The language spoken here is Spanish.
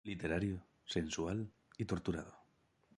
Literario, sensual y torturado...